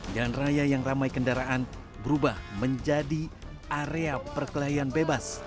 dan raya yang ramai kendaraan berubah menjadi area perkelahian bebas